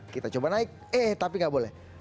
kita coba naik eh tapi gak boleh